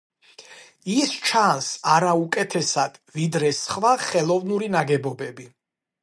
ის ჩანს, არა უკეთესად ვიდრე სხვა ხელოვნური ნაგებობები.